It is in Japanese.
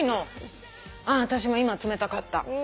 私も今冷たかった。